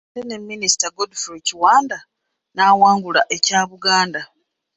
Ate ne Minisita Godfrey Kiwanda n'awangula ekya Buganda.